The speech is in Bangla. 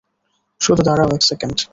শুধু দাঁড়াও এক সেকেন্ড।